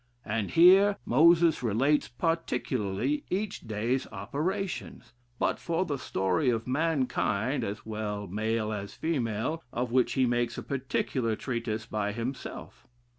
And here Moses relates particularly each day's operations: but for the story of mankind, as well male as female, of which he makes a particular treatise by himself.